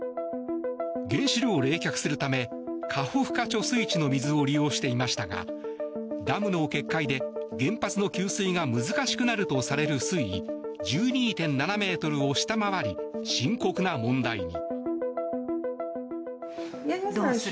原子炉を冷却するためカホフカ貯水池の水を利用していましたがダムの決壊で原発の給水が難しくなるとされる水位１２．７ｍを下回り深刻な問題に。